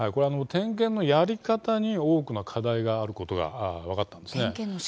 点検のやり方に多くの課題があることが分かったんです。